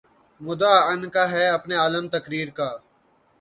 مدعا عنقا ہے اپنے عالم تقریر کا